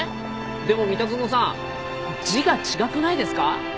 でも三田園さん字が違くないですか？